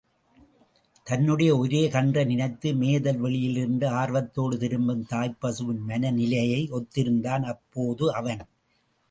தன்னுடைய ஒரே கன்றை நினைத்து மேய்தல் வெளியிலிருந்து ஆர்வத்தோடு திரும்பும் தாய்ப் பசுவின் மனநிலையை ஒத்திருந்தான் அப்போது அவன்.